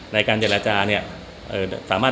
ในการเจรจาเนี่ยสามารถ